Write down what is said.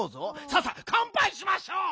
さあさかんぱいしましょう！